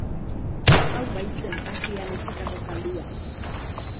Hau baitzen Asian hezitako zaldia.